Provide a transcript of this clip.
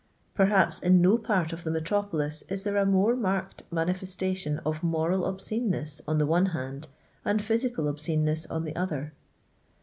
Perhaps in no part of the metro I polis is there a more marked manifestation of moral obsceneness on the one hand, and physical obscene I ness on the other.